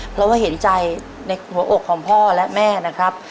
เพราะว่าเห็นใจในหัวอกของพ่อและแม่นะครับ